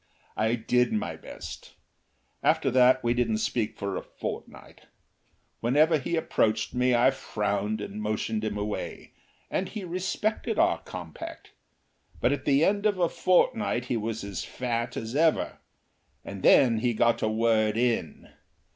I did my best. After that we didn't speak for a fortnight. Whenever he approached me I frowned and motioned him away, and he respected our compact, but at the end of a fortnight he was as fat as ever. And then he got a word in.